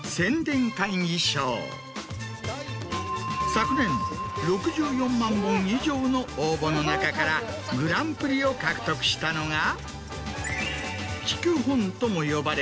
昨年６４万本以上の応募の中からグランプリを獲得したのが。